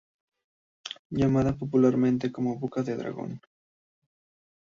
Llamada popularmente como "Boca de dragón".